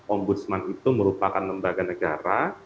ombudsman itu merupakan lembaga negara